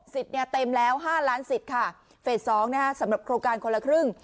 เนี่ยเต็มแล้วห้าล้านสิทธิ์ค่ะเฟส๒นะคะสำหรับโครงการคนละครึ่ง